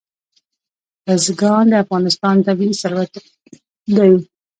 بزګان د افغانستان طبعي ثروت دی.